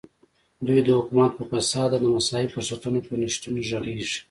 دوی د حکومت په فساد او د مساوي فرصتونو پر نشتون غږېږي.